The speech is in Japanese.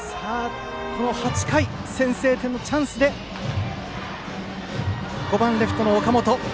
８回、先制点のチャンスで５番レフト、岡本。